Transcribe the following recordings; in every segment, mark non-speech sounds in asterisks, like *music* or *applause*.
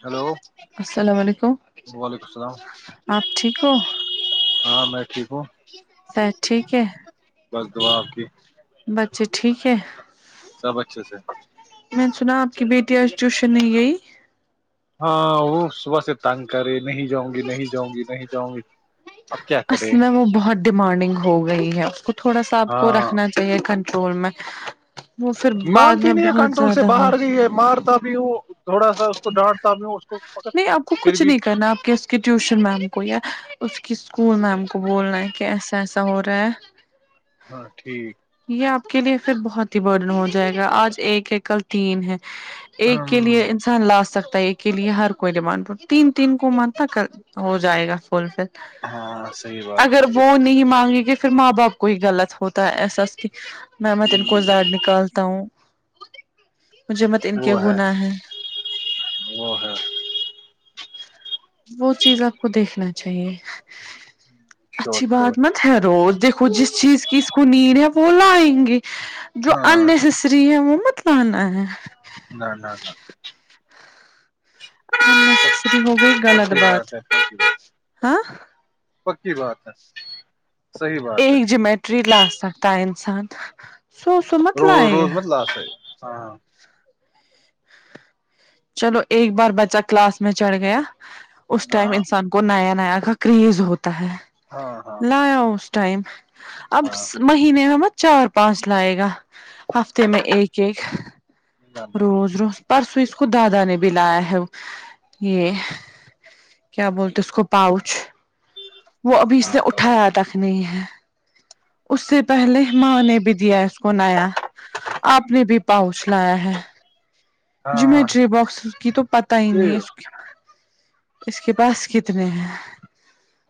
hello السلام علیکم آپ ٹھیک ہو ہاں میں ٹھیک ہوں ا ٹھیک ہے *unintelligible* بس دعا آپ کی بچے ٹھیک ہے سب اچھے سے میں نے سنا آپ کی بیٹی آج ٹیوشن نہیں گئی ہاں وہ صبح سے تنگ کرے نہیں جاؤں گی نہیں جاؤں گی نہیں جاؤں گی اب کیا کرے اصل میں وہ بہت ڈیمانڈنگ ہو گئی ہے وہ تھوڑا سا آپ کو ہاں رکھنا چاہیے کنٹرول میں وہ پھر بعد مانتی میں نہیں ہے بہت کنٹرول سے زیادہ ہو باہر گئی ہے مارتا بھی وہ تھوڑا سا کو ڈانٹتا بھی ہوں اس کو نہیں آپ کو پھر کچھ بھی نہیں کرنا آپ کیس اس کی ٹیوشن میم کو یا اس کی اسکول میم کو بولنا ہے کہ ایسا ایسا ہو رہا ہے ہاں ٹھیک یہ آپ کے لیے پھر بہت ہی برڈن ہو جائے گا آج ایک ہے کل تین ہے ایک کے لیے لا سکتا ہے ایک کے لیے ہر کوئی ڈمانڈ تین تین کو متک ہو جائے گا فل فل ہاں صحیح بات ہے اگر صحیح وہ بات ہے نہیں مانگے گے پھر ماں باپ کوئی غلط ہوتا ہے ایسا ممت ان کو زاڑ نکالتا ہوں مجھے مت ان کے وہ ہے گناہ ہیں وہ ہے وہ چیز آپ کو دیکھنا چاہیے شور اچھی شور بات مت روز دیکھو جس چیز کی اس کو نید ہے وہ لائیں گے جو ہاں ان ستری ہے وہ متلانا ہے *inaudible* انسسری ہو گئی غلط پکی بات ہے پکی بات ہاں پکی بات ہے صحیح ایک بات ہے ایک جمیٹری لاسنکتاان انسان سو س مت روز لائقا روز مت لا سے ہاں چلو ایک بار بچہ کلاس میں چڑھ گیا اس ٹائم ہاں انسان کو نیا نیا کا کریز ہوتا ہے ہاں ہاں لایا اس ٹائم اب ہاں مہینے ہم چار پانچ لائے گا ہفتےتے میں ایکک اک جاننا روز روز پرسو اس کو دادا نے بلایا ہے یہ کیا بولتے اس کو پاؤچ وہ ابھی اس ہاں نے اٹھایا تک نہیں ہے اس سے پہلے ماں نے بھی دیا اس کو نایا آپ نے بھی پاؤچھ لایا ہے ہاں جیمیٹری باکس کی تو پتہ ہی نہیں یہ ہے اس کے پاس کتنے ہیں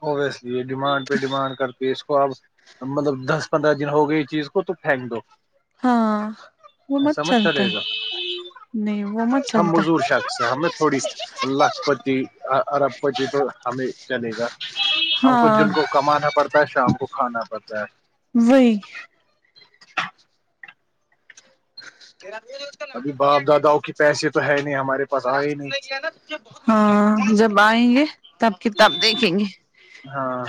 اوبویسلی یہ ڈیمانڈ پہ ڈیمانڈ کرتی ہے اس کو اپ مطلب دس پندرہ دن ہو گئے چیز کو تو پھینک دو ہاں وہ مت ایسا چلتا چلے ہے گا نہیں وہ مت ہم چلتا معزور شخص ہیں ہمیں تھوڑی لکھ پتی ارب پتی تو ہمیں چلے گا ہے ہم کو ہاں دن کو کمانا پڑتا ہے شام کو کھانا پڑتا ہے وئی یر م ابھی باپ داداؤں کے پیسے تو ہے نہیں ہمارے پاس آئے ہی نہیں ہاں جب آئیں گے تب کتاب دیکھیں گے ہاں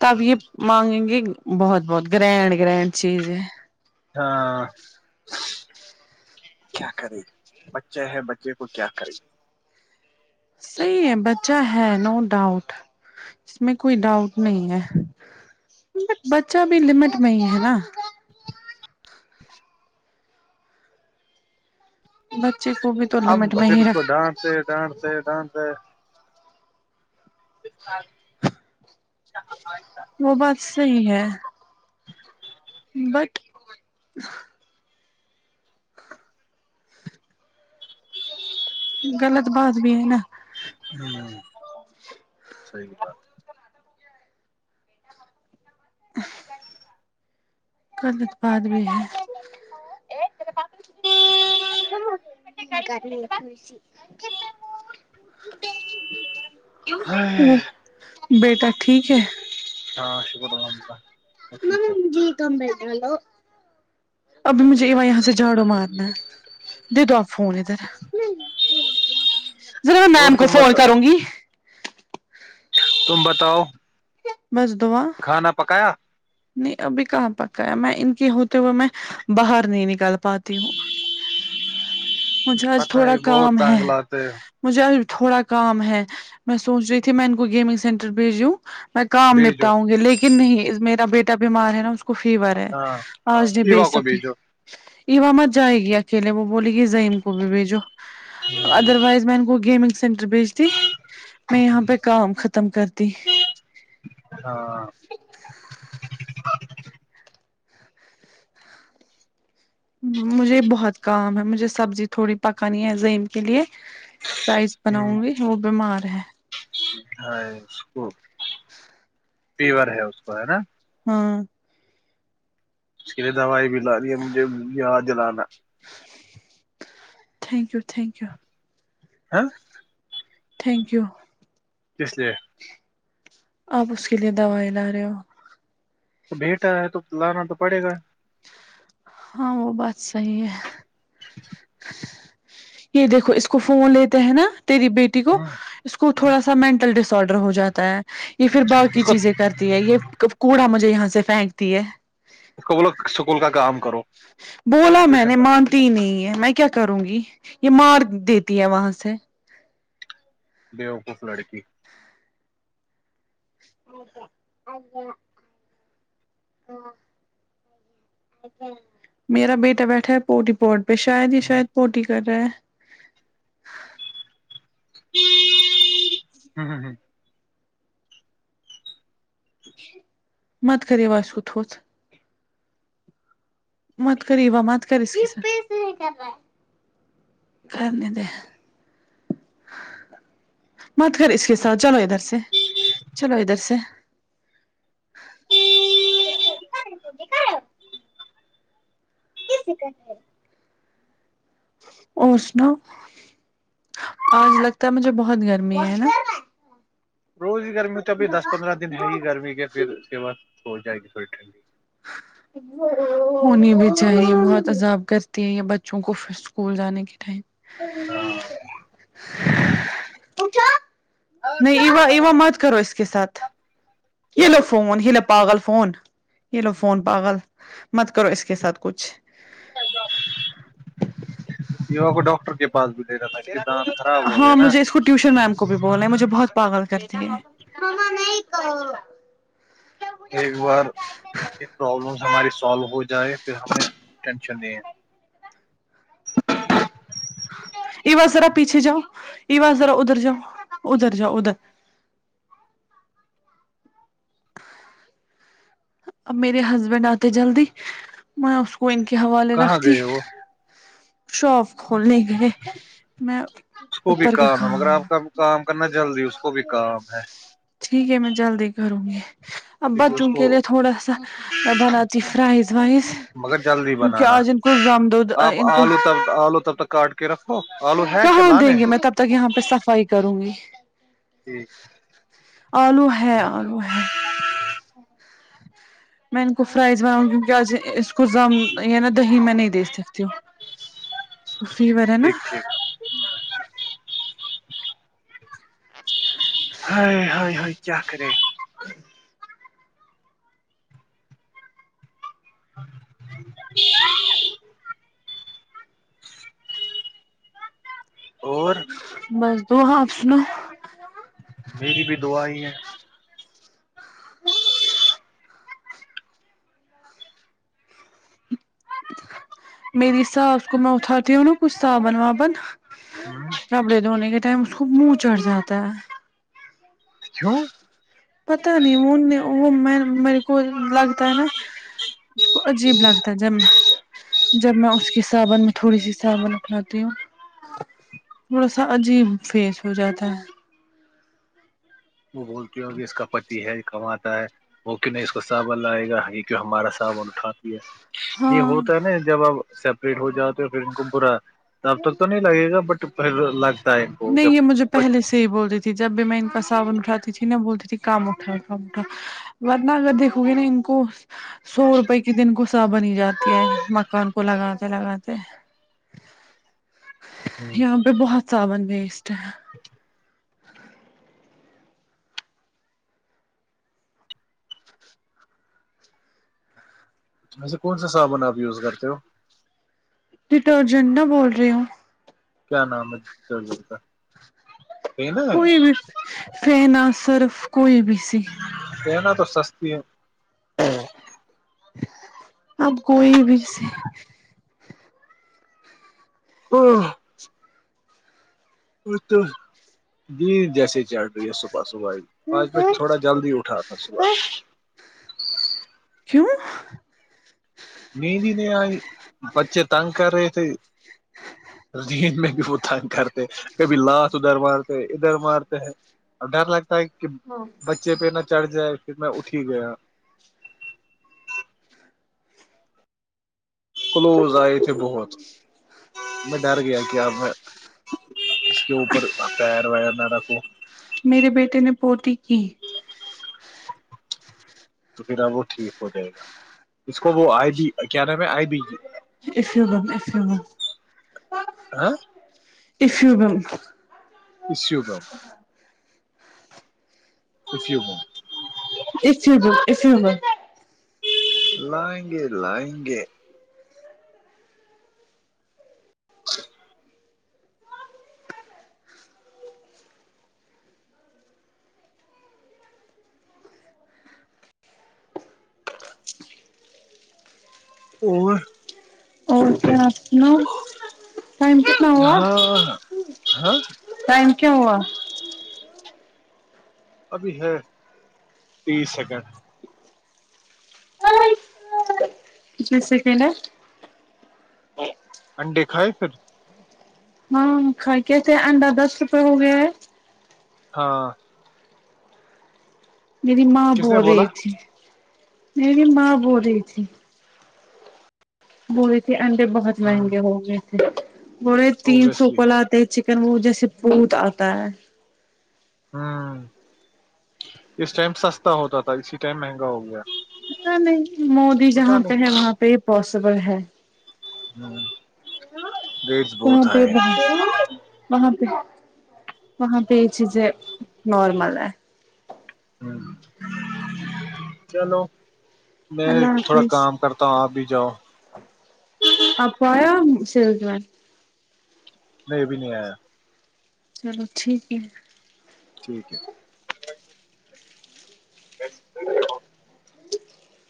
تب یہ مانگیں گے بہت بہت گرینڈ گرینڈ چیز ہے ہاں کیا کرے بچے ہے بچے کو کیا کرے صحیح ہے بچہ ہے نو ڈاؤٹ اس میں کوئی ڈاؤٹ نہیں ہے بچہ بھی لمٹ میں ہی ہے نا بچے کو بھی توور لمنٹ میں ہی رکھ ڈانتے ڈانتے اں وہ بات صحیح ہے بق ج غلط بات بھی ہے نا ہوں صی بات *inaudible* قدت بد بھی ہے ہ کر ل خوش وہ بیٹا ٹھیک ہے ہاں شکر الحمد اللہ ٹھیک ہے تمبلو ابھی مجھے ایا یہاں سے جھاڑو مارنا ہے دے دو آپ فون ادھر ذر میں اور میم کو تم فون بتا کروں گی ت بتاؤ بس دواں کھانا پکایا نہیں ابھی کہاں پکا ہے میں ان کے ہوتے ہوئے میں باہر نہیں نکل پاتی ہوں مجھے آج پت تھوڑا ہے بہت کام ہے تانگ لاتے مجھے اب تھوڑا کام ہے میں سوچ رہی تھی میں ان کو گیمنگ سینٹر بھیجیوں میں کام بھیجو نپٹاؤں گی لیکن نہیں میرا بیٹا بیمار ہے نا اس کو کفی وار ہے ہاں ہاں آج نہیں ایوا بیچ کو سکتی بھیجو ایوامت جائے گی اکیلے وہ بوللی گی زئیم کو بھی بھیجو otherwise one go gaming centre بزتی میں یہاں پہ کام ختم کرتی ہاں مجھے بہت کام ہے مجھے سبزی تھوڑی پکانی ہے زین کے لیے فرائز بناؤں گی وہ بیمار ہے اس کو فیور ہے اس کو ہے نا ہاں اس کے لیے دوائی بھی ل دی ہے مجھے یہ جلانا تھینک یو تھینک یو ہاں تھینک یو کس لیے آپ اس کے لیے دوائی لا رہے ہو تو بیٹا ہے تو لانا تو پڑے گا ہاں وہ بات صحی ہے یہ دیکھو اس کو فون لیتے ہیں نا تیری بیٹی کو اس کو تھوڑا سا مینٹل ڈس آڈر ہو جاتا ہے یہ پھر باقی اس کو چیزیں کرتی ہے یہ کب کوڑا مجھے یہاں سے پھینکتی ہے اسکول سکول کا کام کرو بولا میں ٹیوشن نے کا مان نہیں ہے میں کیا کروں گی یہ مار دیتی ہے وہاں سے بوقوف لڑکی آا آا میرا بیٹا بیٹھا ہے پوٹی پوٹ پہ شاید ہی شاید پوٹی کر رہا ہے ہ ہ ہ مت خ واس تھوت مت کری وا مت کر کرنے تھ مت کر اس کے ساتھ چلو ادھر سے چلو ادھر سے کٹ کر یکن اور سناؤ اور لگتا ہے مجھے بہت گرمی ہے ہے نا روز ہی گرمی ہو تو ابھی دس پندرہ دن ہے ہیی گرمی کے پھر سیوا ہو جائےی تھوڑی ٹھڈی ج ہونی بھی چاہیے وہاں تذاب کرتی ہیں یا بچوں کو پھر اسکول جانے کے ٹائم ہاں اھا نہیں ایا اییوا مت کرو اسس کےے ساتھ یہ لو فون یہ لو پاگل فون یہ لوگ فون پاگل مت کرو اس کے ساتھ کچھ یوا کو ڈاکٹر کے پاس بھی لے رہا تھا اس کے دانت خراب ہو ہاں گئے نا مجھے اس کو ٹیوشن میم کو بھی بولے مجھے بہت پاگل کرتی ہے ایک بار یہ پرابلمس ہماری سالو ہو جائے پھر ہمیں ٹینشن نہیں ہے ایواں سذرا پیچھے جؤ ایواں سذرا ادھر جاؤ ادھر جؤ ادھر اب میرے ہسبینڈ آتے جلدی میں اس کو ان کے حوالے کہاں رکھتی گئے وہ شاپ کھولنے گ میں اس کو بھی اوپر کا کام ہے کا مگر آپ کا کام کرنا جلدی اس کو بھی کام ہے ٹھیک ہے میں جلدی کروں گی کیونکہ بچوں اس کے کو لے تھوڑا سا بناتی فھرائز وائز مگر جلدی کیونکہ بنانا آج ان کو زامت د ا آپ آلو تب آلو تب تک کاٹ کے رکھو آلو ہے کہ کہاں لانے دیں گے ہیں میں تب تک یہاں پہ صفائی کروں گی جی آلو ہے آلو ہے میں ان کو فرائز بناؤں گی کیوںکہ آج اس کو زم نا دہی میں نہیں دے سکتی ہوں فی بار ہے نا ٹھیک ٹھیک ہ چاک رے ہاں اور بس د آپسنو میری بھی دع ہی ہے ہ میری حساب کو میں اھاتی ہو نوں کچھ سابن وابن ربڑے دھونے کے ٹائم اس کو منہ چڑھ جاتا ہے کیوں پتا نہیں وہ وہ میں میرے کو لگتا ہے نا اس کو عجیب لگتا ہے جی جب میں اس کے صابن میں تھوڑی سی صابن اکھناتی ہوں تھوڑا سا عجیب فیس ہو جاتا ہے وہ بولتی ہو اب اس کا پتی ہے کماتا ہے وہ کی نہیں اس کو صاابن لائے گا یہ کیوں ہمارا صاابن اٹھاتی ہے یہ ہاں ہوتا ہے نا جب اب سیپریٹ ہو جاتا پھر ان کو پورا تب تک تو نہیں لگے گا بٹ پھر لگتا ہے کو جب صی بولتی تھی جب بھی میں ان کا ساون اٹھاتی تھی نا بولتی تھی کام اٹھام اٹھا ورنہگر دیکھو گے نا ان کو سو روپئے کے دن غصہ بنی جاتی ہے مکان کو لگاتے لگاتے ہوں یہاں ب بہت صثابون ویسٹ *inaudible* ویسے کون سا سامان آپ یوز کرتے ہو ڈٹرجنٹ نہا بول رہے ہو کیا نام ہےرر کا ٹینا ہے کوئی بھی فینا صرف کوئی بھی س دینا تو سستی ہے اب کوئی بھی سے پ تو جی جیسے ہی چڑ رہی ہے س صبحائی آج میں تھوڑا جلدی اٹھا تھا صبح کیوں مینین نہیں آئی پچے تن کر رہ تھ رد میں بھی وہ تنگ کرتے کبھی لات دروار ادھر مارتے ہیں اور ڈر لگتا ہے کہ ب نیچے پہ نہا چڑھ جائے پھر میں اٹھی گیا کلوز آئے تھے بہت میں ڈر گیا کیا میں اس کے اوپر پیر وغیر نہ رکھو میرے بیٹے نے پوتی کی تو پھر اب وہ ٹھیک ہو جائے گا اس کو وہ آئی بی کیا نام ہے آئی بی اسفو بم ایفوم ہاں ایفو بم اسوبم خوشی ہوا اسے ب اس ہو لائیں گے لائیں گے اچ اور اور کیا آپ ٹم کی سناؤا ہاں ہاں ائم کیا ہوا ابھی ہے تیس سیکنڈ جیس سیکنڈا انڈے کھائے پھر کا کے تھ اڈا دس روپے ہو گیا ہے ہاں میری ماں کس نے بول رہی بولا تھی میری ماں بول رہی تھی بو رہے تھے انڈے بہت ہ مہنگے ہو گئے تھے ب رہے تین سو کو اوبیسلی ل چکن وہ جیسے پوت آتا ہے ہوں اس ٹائم سستا ہوتا تھا اسی ٹائم مہنگا ہو گیا پت نہیں مودی پتا جہاں پہ ہے وہاں پہ ہی پاسبل ہے ہاں ہ بھی ب وہاں پہ وہاں پہ یہ چیزیں نارمل ہے چلو میں اللہ تھوڑا حافظ کام کرتا ہوں آپ بھی جاؤ آپ پ س ہو ج ب نہیں ا بھی نہیں آیا چلو ٹھیک ہے ٹھیک ہے بیس